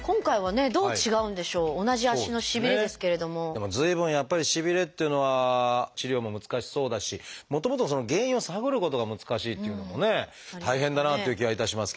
でも随分やっぱりしびれっていうのは治療も難しそうだしもともとその原因を探ることが難しいっていうのもね大変だなという気がいたしますけれども。